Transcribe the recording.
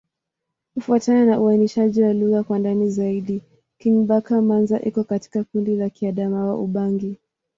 Kufuatana na uainishaji wa lugha kwa ndani zaidi, Kingbaka-Manza iko katika kundi la Kiadamawa-Ubangi.